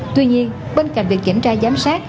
tuy nhiên bên cạnh việc kiểm tra giám sát